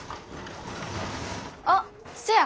あっせや！